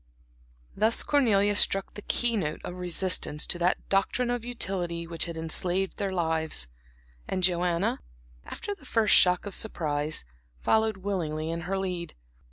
Thus Cornelia struck the key note of resistance to that doctrine of utility which had enslaved their lives, and Joanna, after the first shock of surprise, followed willingly in her lead.